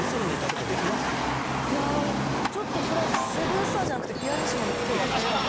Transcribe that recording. いやちょっとこれはセブンスターじゃなくてピアニッシモに今日は変えよう